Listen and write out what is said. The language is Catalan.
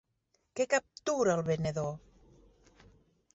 Què captura el venedor?